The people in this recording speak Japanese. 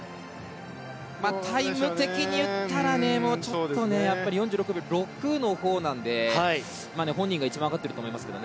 タイム的に言ったら４６秒６のほうなので本人が一番わかってると思いますが。